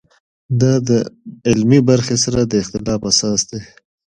دا د علمي برخې سره د اختلاف اساس دی.